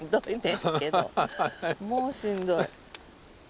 もうしんどい。